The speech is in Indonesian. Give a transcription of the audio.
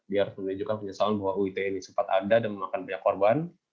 dia harus menunjukkan penyesalan bahwa uu ite ini sempat ada dan memakan banyak korban